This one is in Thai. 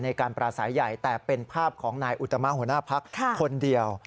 ในการปราศัยใหญ่แต่เป็นภาพของนายอุตมะหัวหน้าพักคนเดียว